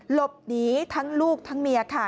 หลบหนีทั้งลูกทั้งเมียค่ะ